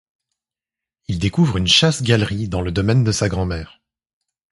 Il découvre une chasse-galerie dans le domaine de sa grand-mère.